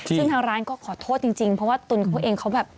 ซึ่งทางร้านก็ขอโทษจริงเพราะว่าตุนเขาเองเขาแบบ